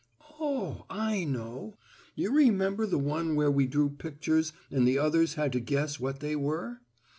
Oh, I know! You remember the one where we drew pictures and the others had to guess what they were?